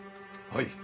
はい。